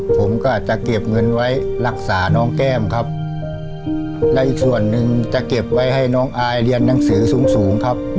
ผมก็จะเก็บเงินไว้รักษาน้องแก้มครับแล้วอีกส่วนหนึ่งจะเก็บไว้ให้น้องอายเรียนหนังสือสูงสูงครับ